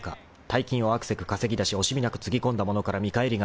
大金をあくせく稼ぎ出し惜しみなくつぎ込んだものから見返りがない］